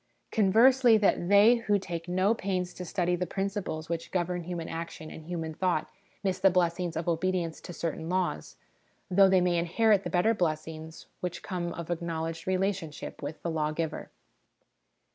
Con versely, that they who take no pains to study the principles which govern human action and human thought miss the blessings of obedience to certain laws, though they may inherit the better blessings which come of acknowledged relationship with the Lawgiver.